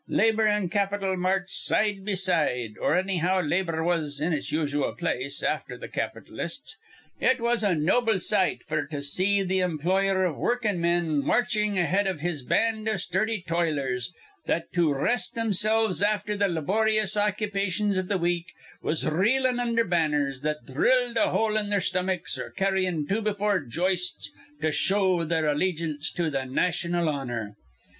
Labor an' capital marched side be side, or annyhow labor was in its usual place, afther th' capitalists. It was a noble sight f'r to see th' employer iv workin'men marchin' ahead iv his band iv sturdy toilers that to rest thimsilves afther th' layboryous occupations iv th' week was reelin' undher banners that dhrilled a hole in their stomachs or carryin' two be four joists to show their allegance to th' naytional honor.